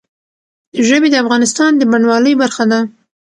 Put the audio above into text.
ژبې د افغانستان د بڼوالۍ برخه ده.